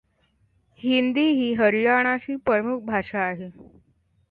हिंदी ही हरियाणाची प्रमुख भाषा आहे.